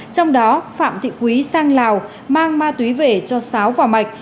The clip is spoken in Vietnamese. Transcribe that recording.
trong đó phạm thị quý sang lào mang ma túy về cho sáo và mạch